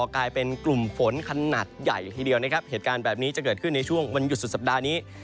กลายเป็นกลุ่มฝนขนาดใหญ่ทีเดียวนะครับเหตุการณ์แบบนี้จะเกิดขึ้นในช่วงวันหยุดสุดสัปดาห์นี้